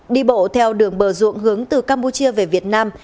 đi bộ theo đường bờ ruộng hướng từ campuchia về việt nam